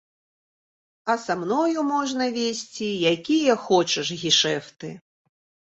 А са мною можна весці якія хочаш гешэфты.